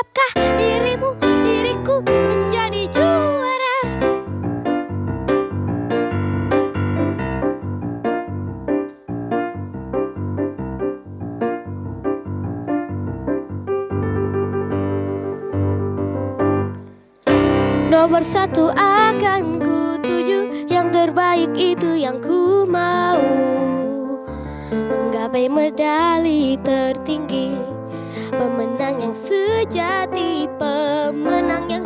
bila kita mau untuk menggapainya